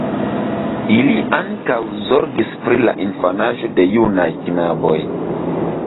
Ili ankaŭ zorgis pri la infanaĝo de junaj knaboj.